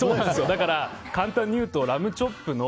だから、簡単に言うとラムチョップの